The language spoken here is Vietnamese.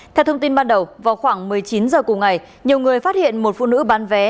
theo thông tin ban đầu vào khoảng một mươi chín h cùng ngày nhiều người phát hiện một phụ nữ bán vé